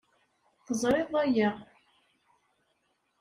Teẓriḍ aya.